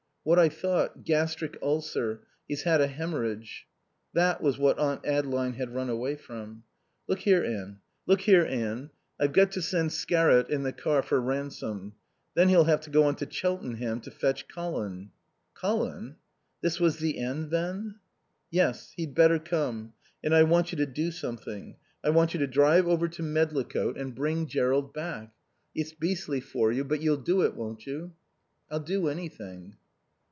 "What I thought. Gastric ulcer. He's had a haemorrhage." That was what Aunt Adeline had run away from. "Look here, Anne, I've got to send Scarrott in the car for Ransome. Then he'll have to go on to Cheltenham to fetch Colin." "Colin?" This was the end then. "Yes. He'd better come. And I want you to do something. I want you to drive over to Medlicote and bring Jerrold back. It's beastly for you. But you'll do it, won't you?" "I'll do anything."